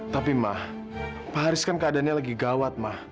tapi ma pak haris kan keadaannya lagi gawat ma